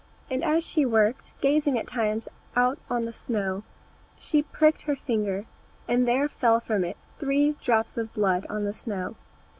And as she worked, gazing at times out on the snow, she pricked her finger, and there fell from it three drops of blood on the snow.